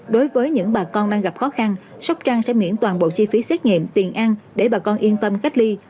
đối với những bà con đang gặp khó khăn sóc trăng sẽ miễn toàn bộ chi phí xét nghiệm tiền ăn để bà con yên tâm cách ly